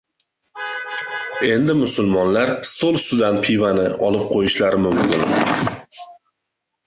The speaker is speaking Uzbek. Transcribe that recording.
Endi musulmonlar stol ustidan pivani olib qo‘yishlari mumkin